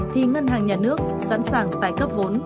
thì ngân hàng nhà nước sẵn sàng tái cấp vốn